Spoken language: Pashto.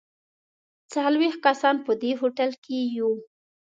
څلوېښت کسان په دې هوټل کې یو.